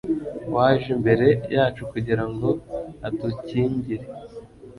waje imbere yacu kugira ngo adukingire